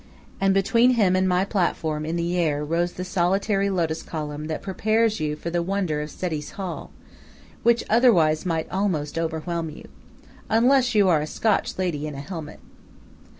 and between him and my platform in the air rose the solitary lotus column that prepares you for the wonder of Seti's hall, which otherwise might almost overwhelm you unless you are a Scotch lady in a helmet.